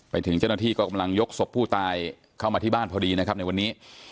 ถึงเจ้าหน้าที่ก็กำลังยกศพผู้ตายเข้ามาที่บ้านพอดีนะครับในวันนี้